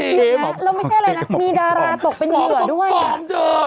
แล้วไม่ใช่อะไรนะมีดาราตกเป็นเหลือด้วย